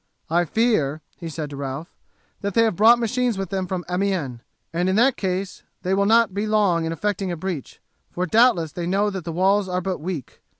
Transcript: "I fear," he said to Ralph, "that they have brought machines with them from Amiens, and in that case they will not be long in effecting a breach, for doubtless they know that the walls are but weak.